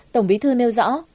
tổng bí thư nêu rõ